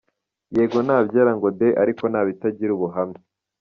Yego nta byera ngo de ariko nabitangira ubuhamya.